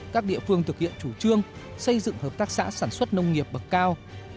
các địa phương thực hiện chủ trương xây dựng hợp tác xã sản xuất nông nghiệp bậc cao